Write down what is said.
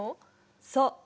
そう。